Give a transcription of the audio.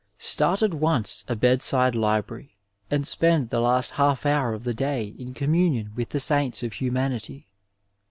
Start at once a bed side library and spend the last half hour of the day in communion with the sainte of humanity.